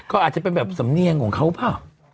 ก็อาจจะเป็นแบบสำเนียงของเขาเปล่า